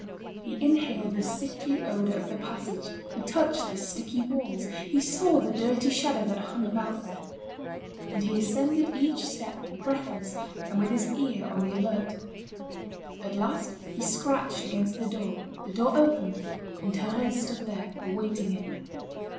He inhaled the sickly odour of the passage, he touched the sticky walls, he saw the dirty shadow that hung about there. And he ascended each step, breathless, and with his ear on the alert. At last he scratched against the door, the door opened, and Thérèse stood there awaiting him.